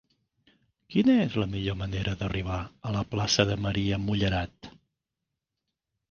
Quina és la millor manera d'arribar a la plaça de Maria Mullerat?